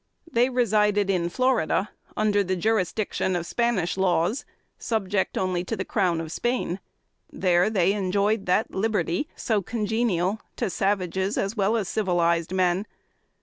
They resided in Florida, under the jurisdiction of Spanish laws, subject only to the crown of Spain. There they enjoyed that liberty so congenial to savages, as well as civilized men.